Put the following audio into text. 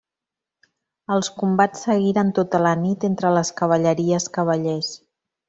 Els combats seguiren tota la nit entre les cavalleries cavallers.